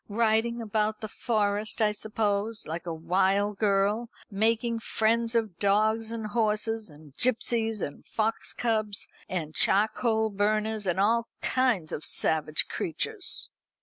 Riding about the Forest, I suppose, like a wild girl, making friends of dogs and horses, and gipsies, and fox cubs, and charcoal burners, and all kinds of savage creatures."